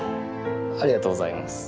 ありがとうございます。